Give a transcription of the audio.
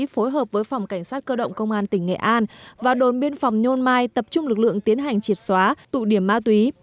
phối hợp với phòng cảnh sát cơ động công an tỉnh nghệ an và đồn biên phòng nhôn mai tập trung lực lượng tiến hành triệt xóa tụ điểm ma túy